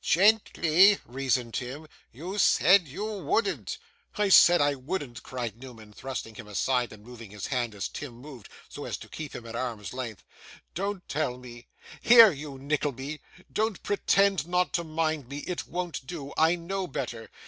'Gently,' reasoned Tim; 'you said you wouldn't.' 'I said I wouldn't!' cried Newman, thrusting him aside, and moving his hand as Tim moved, so as to keep him at arm's length; 'don't tell me! Here, you Nickleby! Don't pretend not to mind me; it won't do; I know better.